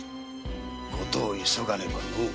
ことを急がねばのう。